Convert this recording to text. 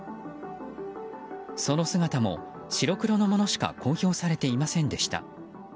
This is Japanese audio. その姿も白黒のものしか公表されていませんでした。